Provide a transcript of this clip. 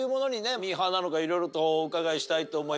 なのかいろいろとお伺いしたいと思います。